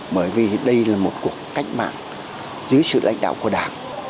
bởi vì đây là một cuộc cách mạng dưới sự lãnh đạo của đảng